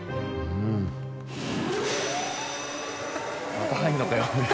また入んのかよ。